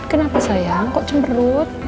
kenapa sayang kok cemberut